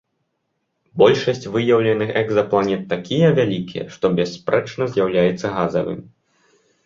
Большасць выяўленых экзапланет такія вялікія, што бясспрэчна з'яўляюцца газавымі.